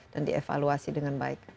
dan dievaluasi dengan baik